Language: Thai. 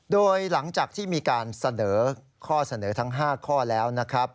โดยหลังจากที่มีการเสนอข้อเสนอทั้ง๕ข้อแล้วนะครับ